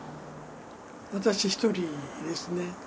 私一人ですね。